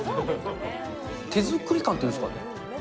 手作り感っていうんですかね。